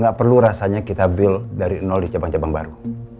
gak perlu rasanya kita build dari nol di cabang cabang baru